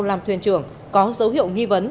làm thuyền trưởng có dấu hiệu nghi vấn